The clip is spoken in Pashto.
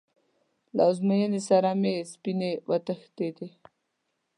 له ازموینې سره مې سپینې وتښتېدې.